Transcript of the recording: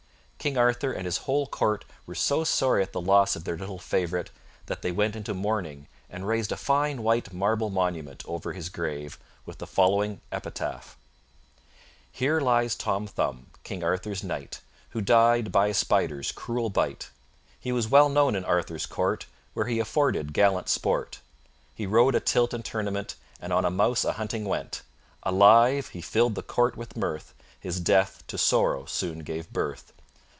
King Arthur and his whole court were so sorry at the loss of their little favorite that they went into mourning and raised a fine white marble monument over his grave with the following epitaph: Here lies Tom Thumb, King Arthur's knight, Who died by a spider's cruel bite. He was well known in Arthur's court, Where he afforded gallant sport; He rode a tilt and tournament, And on a mouse a hunting went. Alive he filled the court with mirth; His death to sorrow soon gave birth.